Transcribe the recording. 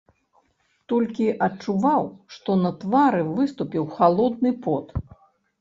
Толькі адчуваў, што на твары выступіў халодны пот.